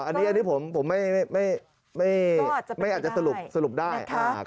อันนี้ผมไม่อาจจะสรุปได้